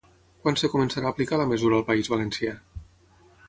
Quan es començarà a aplicar la mesura al País Valencià?